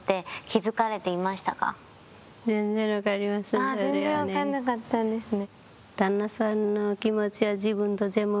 例えば全然わかんなかったんですね。